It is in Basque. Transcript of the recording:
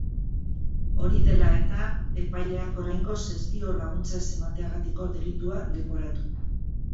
Hori dela eta, epaileak oraingoz ez dio laguntza ez emategatiko delitua leporatu.